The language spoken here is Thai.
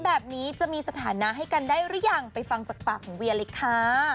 แบบนี้จะมีสถานะให้กันได้หรือยังไปฟังจากปากของเวียเลยค่ะ